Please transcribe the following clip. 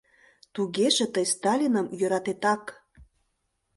Тугеже тый Сталиным йӧратетак.